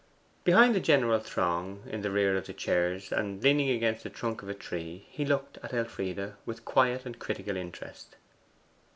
Behind the general throng, in the rear of the chairs, and leaning against the trunk of a tree, he looked at Elfride with quiet and critical interest.